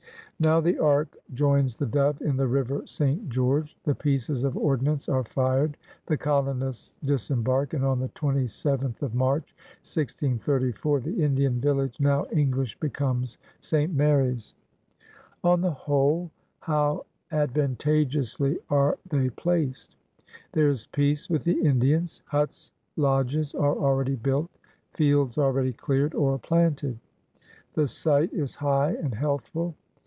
Now the Arh joins the Dove in the Biver St, Greorge. The pieces of ordnance are fired; the colonists disembark; and on the 27th of March, 1634, the Indian village, now English, becomes St. Mary's. On the whole how advantageously are they placed! There is peace with the Indians. Huts, lodges, are already built, fields already cleared or planted. The site is high and healthful.